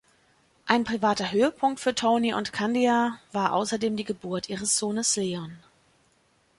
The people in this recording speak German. Ein privater Höhepunkt für Tony und Candia war außerdem die Geburt ihres Sohnes Leon.